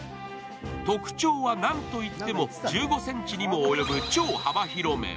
特徴はなんといっても１５ｃｍにも及ぶ超幅広麺。